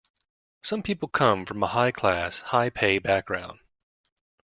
Some people come from a high-class, high-pay background.